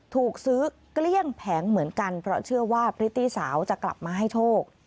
ถูกซื้อเกลี้ยงแผงเหมือนกันเพราะเชื่อว่าพริตตี้สาวจะกลับมาให้โชค